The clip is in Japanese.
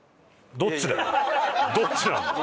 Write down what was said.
どっちなんだよ！